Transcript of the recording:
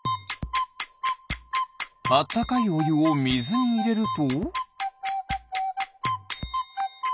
あったかいおゆをみずにいれると。